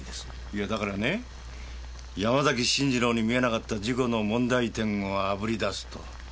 いやだからね山崎信二郎に見えなかった事故の問題点を炙り出すと。